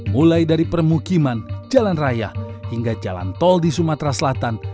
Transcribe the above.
mulai dari permukiman jalan raya hingga jalan tol di sumatera selatan